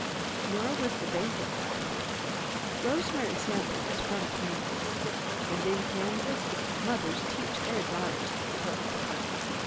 Nor was the banquet lacking. Rosemary Sample was from Kansas. And in Kansas mothers teach their daughters to cook.